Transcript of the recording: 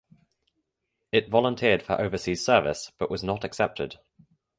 It volunteered for overseas service but was not accepted.